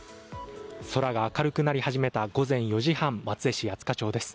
空が明るくなり始めた午前４時半松江市八束町です。